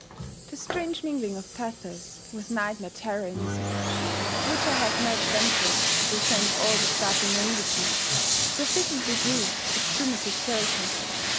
The strange mingling of pathos with nightmare terror in this myth, of which I have not ventured to present all the startling naiveti, sufficiently proves its primitive character.